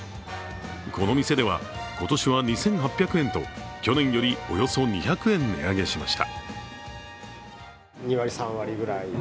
この店では今年は２８００円と去年よりおよそ２００円値上げしました。